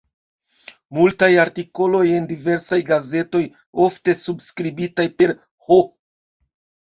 Multaj artikoloj en diversaj gazetoj, ofte subskribitaj per "H.